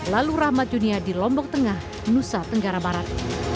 lalu rahmat junia di lombok tengah nusa tenggara barat